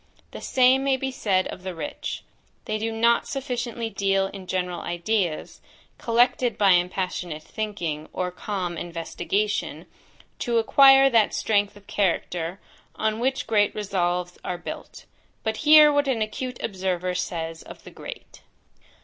The same may be said of the rich; they do not sufficiently deal in general ideas, collected by impassionate thinking, or calm investigation, to acquire that strength of character, on which great resolves are built. But hear what an acute observer says of the great.